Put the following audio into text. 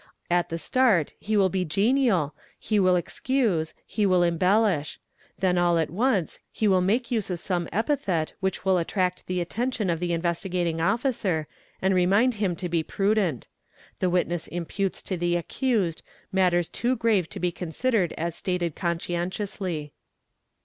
At the start he will be genial, he will excuse, he will embel lish; then all at once he will make use of some epithet which will attract the attention of the Investigating Officer and remind him to be prudent; the witness imputes to the accused matters too grave to be considered as stated conscientiously.